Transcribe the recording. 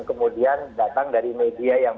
kemudian datang dari media yang